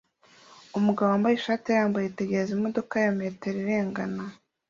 Umugabo wambaye ishati irambuye yitegereza imodoka ya metero irengana